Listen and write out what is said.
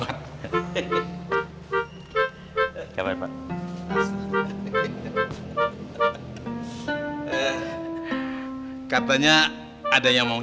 aneh deh runtuh